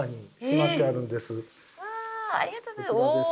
わあありがとうございます。